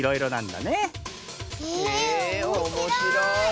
へえおもしろい！